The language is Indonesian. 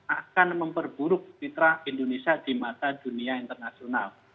akan memperburuk fitrah indonesia di mata dunia internasional